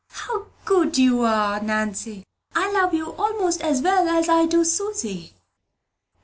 "How good you are, Nanny. I love you 'most as well as I do Susy."